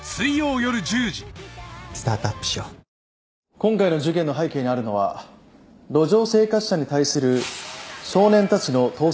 今回の事件の背景にあるのは路上生活者に対する少年たちの投石事件です。